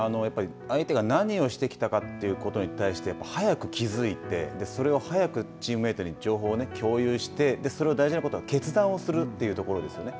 相手が何をしてきたかということに対して、早く気付いてそれを早くチームメートに情報を共有して、それを大事なことは決断をするというところですよね。